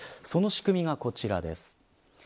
その仕組みがこちらです。